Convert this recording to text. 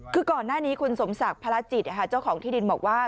คือก่อนหน้านี้คุณสมศักดิ์พระจิตเจ้าของที่ดินบอกว่า